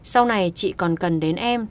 sau này chị còn cần đến em